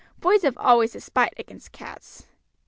"Boys have always a spite against cats."